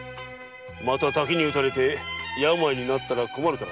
また滝に打たれて病になったら困る。